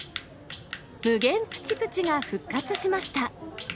無限ぷちぷちが復活しました。